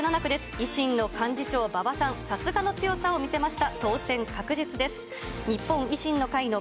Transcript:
維新の幹事長、馬場さん、さすがの強さを見せました。